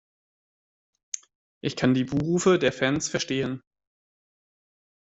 Ich kann die Buh-Rufe der Fans verstehen.